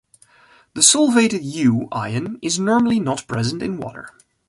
The solvated U ion is normally not present in water.